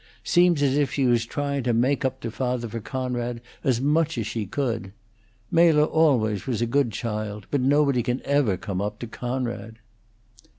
Seems as if she was tryin' to make up to fawther for Coonrod as much as she could. Mela always was a good child, but nobody can ever come up to Coonrod."